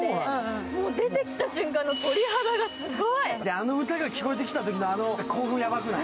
あの歌が聴こえてきたときの公憤、ヤバくない？